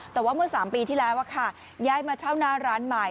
แต่ว่าเมื่อสามปีที่แล้วอะค่ะย่ายมาเช่าน้าร้านใหม่